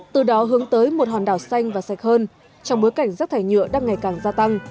từ đó hướng tới một hòn đảo xanh và sạch hơn trong bối cảnh rắc thải nhựa đang ngày càng gia tăng